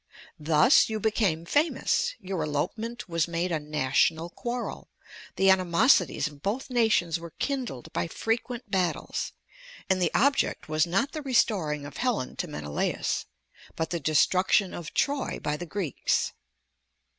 Thus you became famous; your elopement was made a national quarrel; the animosities of both nations were kindled by frequent battles; and the object was not the restoring of Helen to Menelaus, but the destruction of Troy by the Greeks.